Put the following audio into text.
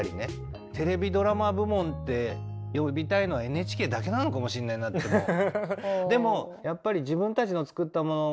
「テレビドラマ部門」って呼びたいのはＮＨＫだけなのかもしんないなってもう。